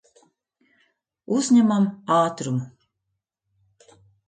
Uzņemam ātrumu.